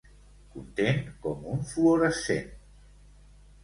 Content com un fluorescent.